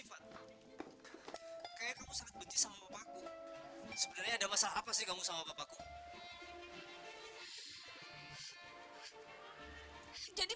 fati kamu rusak passionate plugged siap panggang